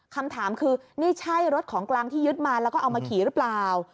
คำถามคือนี่ใช่รถของกลางที่ยึดมาแล้วก็เอามาขี่หรือเปล่า